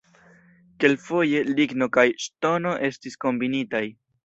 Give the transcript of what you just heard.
Kelkfoje ligno kaj ŝtono estis kombinitaj.